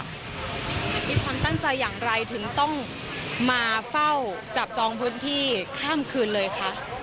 มีความตั้งใจอย่างไรถึงต้องมาเฝ้าจับจองพื้นที่ข้ามคืนเลยคะ